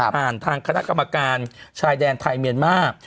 ทางคณะกรรมการชายแดนไทยเมียนมาร์